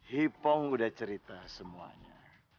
hipong sudah cerita semuanya